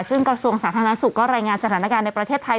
ซึ่งกระทรวงสาธารณสุขก็รายงานสถานการณ์ในประเทศไทย